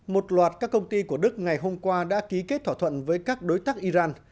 một loạt các công ty của đức ngày hôm qua đã ký kết thỏa thuận với các đối tác iran